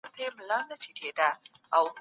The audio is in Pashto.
موږ ستاسو پوښتنو ته ځواب وایو.